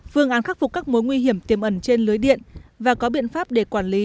phương án khắc phục các mối nguy hiểm tiềm ẩn trên lưới điện và có biện pháp để quản lý